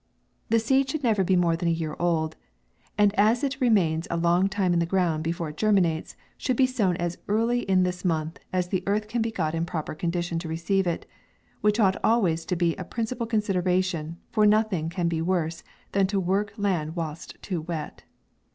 The seed should never be more than a year old, and as it re mains a long time in the ground before it ger minates, should be sown as early in this month as the earth can be got in proper con dition to receive it, which ought always to be a principal consideration, for nothing can be worse than to work land whilst too wet.